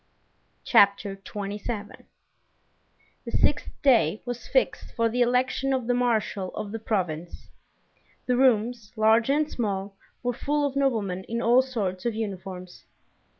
Chapter 27 The sixth day was fixed for the election of the marshal of the province. The rooms, large and small, were full of noblemen in all sorts of uniforms.